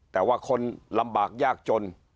แต่ว่าคนลำบากยากจน